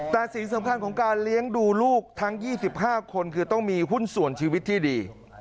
แต่สิ่งสำคัญของการเลี้ยงดูลูกทั้ง๒๕คนคือต้องมีหุ้นส่วนชีวิตที่ดี